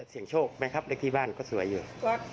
เสียงโชคไหมครับเลขที่บ้านก็สวยอยู่